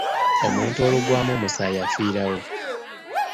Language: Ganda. Omuntu oluggwamu omusaayi afiirawo.